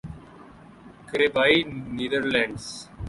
کریبیائی Netherlands